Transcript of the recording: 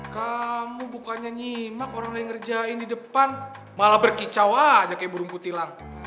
kamu bukannya nyimak orang lain ngerjain di depan malah berkicau aja kaya burung kutilang